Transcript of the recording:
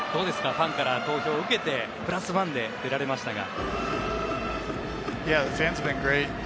ファンから投票を受けてプラスワンで出られましたが。